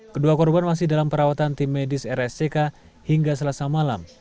kedua korban masih dalam perawatan tim medis rsck hingga selasa malam